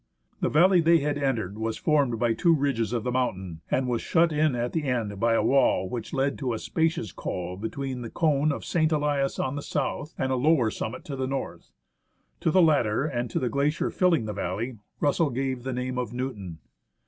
The valley they had entered was formed by two ridges of the mountain, and was shut in at the end by a wall which led to a spacious col between the cone of St. Elias on the south and a lower summit to the north. To the latter, and to the glacier filling the valley, Russell gave the name of Newton.